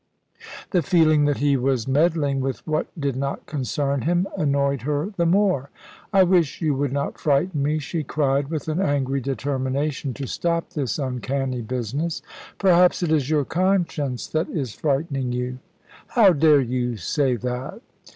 The feeling that he was meddling with what did not concern him, annoyed her the more. "I wish you would not frighten me," she cried, with an angry determination to stop this uncanny business. "Perhaps it is your conscience that is frightening you." "How dare you say that?"